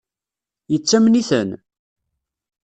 Yettamen-iten?